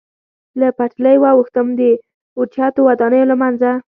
له پټلۍ واوښتم، د اوچتو ودانیو له منځه.